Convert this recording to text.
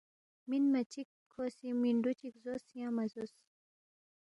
مِنما چِک کھو سی مِنڈُو چِک زوس ینگ مہ زوس